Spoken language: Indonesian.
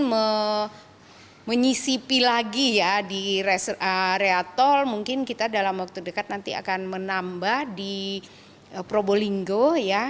mungkin menyisipi lagi ya di res ariatoh mungkin kita dalam waktu dekat nanti akan menambah di probolinggo ya